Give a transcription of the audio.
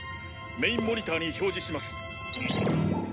メインモニターに表示します。